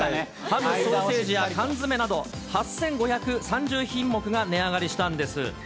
ハム・ソーセージや缶詰など、８５３０品目が値上がりしたんです。